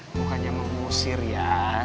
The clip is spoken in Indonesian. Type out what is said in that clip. bukannya mengusir ya